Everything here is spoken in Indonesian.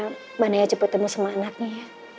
mbak naya cepet temui sama anaknya ya